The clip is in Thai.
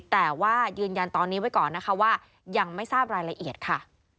แต่ว่ายืนยันตอนนี้ไว้ก่อนนะคะว่ายังไม่ทราบรายละเอียดค่ะ